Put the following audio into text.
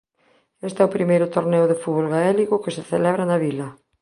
Este é o primeiro torneo de fútbol gaélico que se celebra na vila